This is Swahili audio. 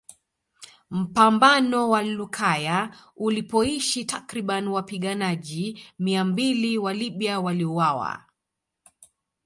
Mpambano wa Lukaya ulipoisha takriban wapiganajji mia mbili wa Libya waliuawa